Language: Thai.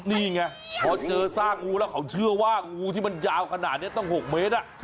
นี่ไงพอเจอซากงูแล้วเขาเชื่อว่างูที่มันยาวขนาดนี้ต้อง๖เมตร